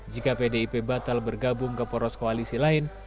jika pdip batal bergabung ke poros koalisi lain